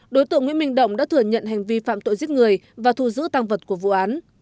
đối tượng nguyễn minh động đã thừa nhận hành vi phạm tội giết người và thu giữ tăng vật của vụ án